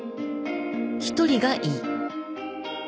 ［１人がいい。］